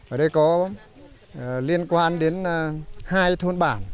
ở đây có liên quan đến hai thôn bản